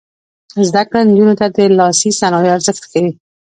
زده کړه نجونو ته د لاسي صنایعو ارزښت ښيي.